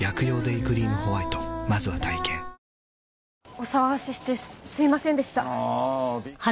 お騒がせしてすいませんでした。